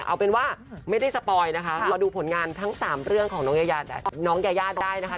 เอาเป็นว่าไม่ได้สปอยนะคะมาดูผลงานทั้ง๓เรื่องของน้องยายาได้นะคะ